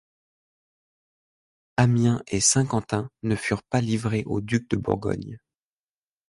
Amiens et Saint-Quentin ne furent pas livrées au duc de Bourgogne.